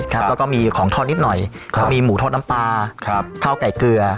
แล้วก็มีของทอดนิดหน่อยก็มีหมูทอดน้ำปลาข้าวไก่เกลือ